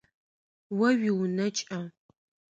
О уиунэ кӏэ.